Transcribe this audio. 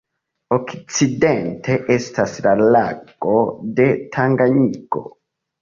Okcidente estas la lago de Tanganjiko.